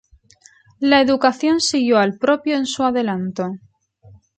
La educación siguió al propio en su adelanto.